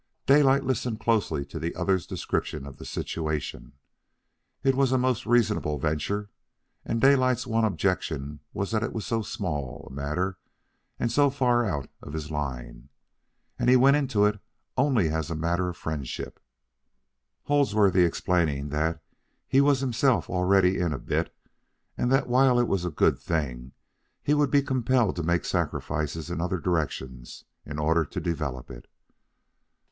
Daylight listened closely to the other's description of the situation. It was a most reasonable venture, and Daylight's one objection was that it was so small a matter and so far out of his line; and he went into it only as a matter of friendship, Holdsworthy explaining that he was himself already in a bit, and that while it was a good thing, he would be compelled to make sacrifices in other directions in order to develop it.